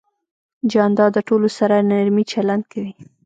جانداد د ټولو سره نرمي چلند کوي.